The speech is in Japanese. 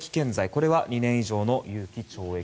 これは２年以上の有期懲役。